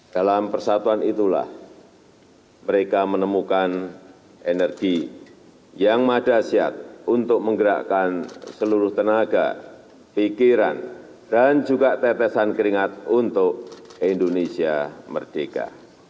dalam persatuan itulah mereka menemukan energi yang madasyat untuk menggerakkan seluruh tenaga pikiran dan juga tetesan keringat untuk indonesia merdeka